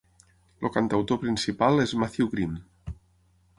El cantautor principal és Matthew Grimm.